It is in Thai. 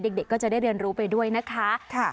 เด็กก็จะได้เรียนรู้ไปด้วยนะคะ